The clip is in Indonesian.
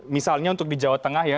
misalnya untuk di jawa tengah ya